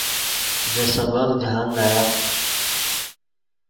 دے سبق جاہند لائق